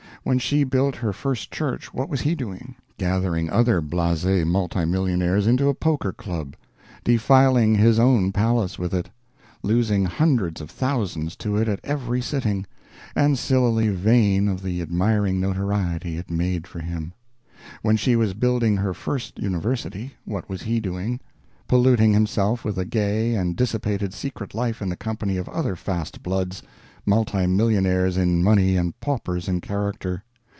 When she built her first church what was he doing? Gathering other blase multimillionaires into a Poker Club; defiling his own palace with it; losing hundreds of thousands to it at every sitting, and sillily vain of the admiring notoriety it made for him. When she was building her first university, what was he doing? Polluting himself with a gay and dissipated secret life in the company of other fast bloods, multimillionaires in money and paupers in character.